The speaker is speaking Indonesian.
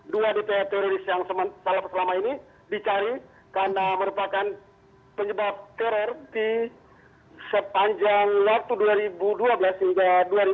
dua dpr teroris yang selama ini dicari karena merupakan penyebab teror di sepanjang waktu dua ribu dua belas hingga dua ribu dua puluh